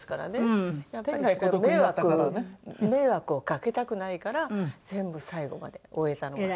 迷惑をかけたくないから全部最後まで終えたのは。